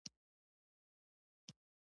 تخیل انسان ته د نړۍ د بدلولو وس ورکړی.